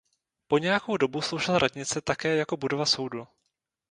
Po nějakou dobu sloužila radnice také jako budova soudu.